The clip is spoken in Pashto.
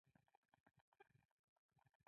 ده د روسانو هیات ته له سره بلنه نه ده ورکړې.